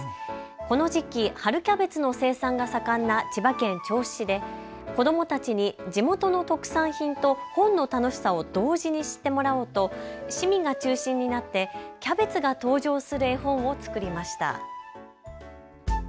この時期、春キャベツの生産が盛んな千葉県銚子市で子どもたちに地元の特産品と本の楽しさを同時に知ってもらおうと市民が中心になってキャベツが登場する絵本を作りました。